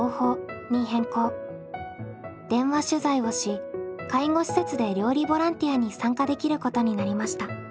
電話取材をし介護施設で料理ボランティアに参加できることになりました。